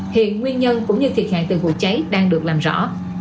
hiện nguyên nhân cũng như thiệt hại từ vụ cháy đang được làm rõ